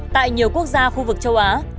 tại nhiều quốc gia khu vực châu á